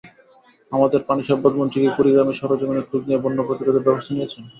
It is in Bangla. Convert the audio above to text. আমাদের পানিসম্পদমন্ত্রী কি কুড়িগ্রামে সরেজমিনে খোঁজ নিয়ে বন্যা প্রতিরোধের ব্যবস্থা নিয়েছেন?